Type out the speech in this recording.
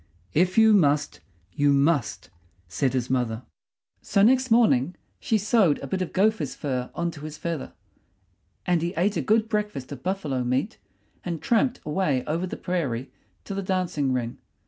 "If you must, you must," said his mother. So next morning she sewed a bit of gopher's fur on to his feather; and he ate a good breakfast of buffalo meat and tramped away over the prairie to the dancing ring.